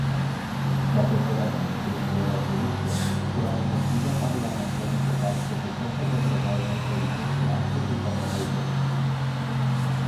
Z zadowoleniem przyjmuję rezolucję, która umożliwia Parlamentowi poparcie wysoce dobrowolnej polityki antytytoniowej Komisji